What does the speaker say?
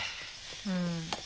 うん。